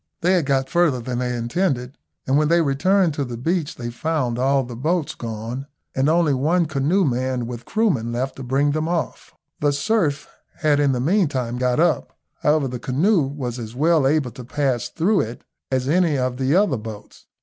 They had got further than they intended, and when they returned to the beach they found all the boats gone, and only one canoe manned with Kroomen left to bring them off. The surf had in the meantime got up; however, the canoe was as well able to pass through it as any of the other boats.